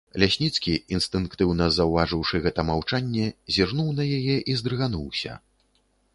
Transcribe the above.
Лясніцкі, інстынктыўна заўважыўшы гэта маўчанне, зірнуў на яе і здрыгануўся.